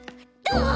どう？